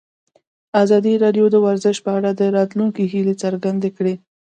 ازادي راډیو د ورزش په اړه د راتلونکي هیلې څرګندې کړې.